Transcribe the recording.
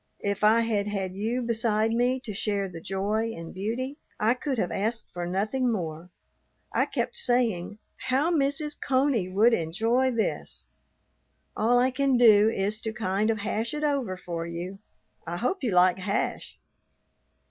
If I had had you beside me to share the joy and beauty, I could have asked for nothing more. I kept saying, "How Mrs. Coney would enjoy this!" All I can do is to kind of hash it over for you. I hope you like hash.